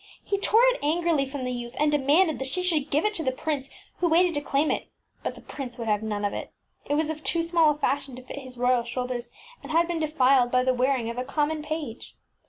He tore it angrily from the youth, and demanded she should give it to the prince, who waited to claim it, but the prince would have none of it. It was of too small a fashion to fit his royal shoulders, and had been defiled by the wearing of a common page.